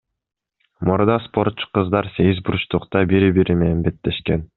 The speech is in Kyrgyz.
Мурда спортчу кыздар сегиз бурчтукта бири бири менен беттешкен.